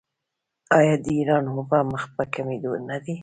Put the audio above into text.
آیا د ایران اوبه مخ په کمیدو نه دي؟